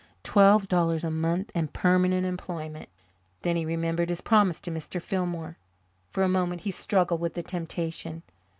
Twelve dollars a month and permanent employment! Then he remembered his promise to Mr. Fillmore. For a moment he struggled with the temptation.